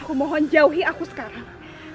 aku mohon jauhi aku sekarang